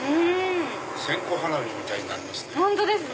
線香花火みたいになりますね。